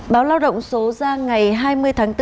báo lao động số ra ngày hai mươi tháng bốn